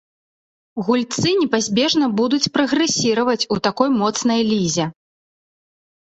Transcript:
Гульцы непазбежна будуць прагрэсіраваць у такой моцнай лізе.